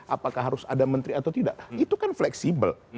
apakah harus ada menteri atau tidak itu kan fleksibel